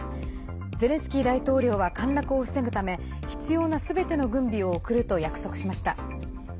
ゼレンスキー大統領は陥落を防ぐため必要なすべての軍備を送ると約束しました。